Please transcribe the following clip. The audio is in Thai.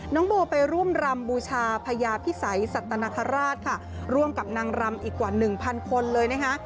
น้องโบไปร่วมรำบูชาพญาพิสัยสัตนคราชค่ะร่วมกับนางรำอีกกว่าหนึ่งพันคนเลยนะคะ